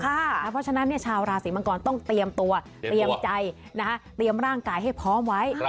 เพราะฉะนั้นชาวราศีมังกรต้องเตรียมตัวเตรียมใจเตรียมร่างกายให้พร้อมไว้